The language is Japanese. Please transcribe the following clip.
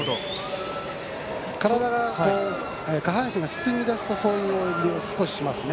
体が下半身が進みだすとそういう泳ぎを少し、しますね。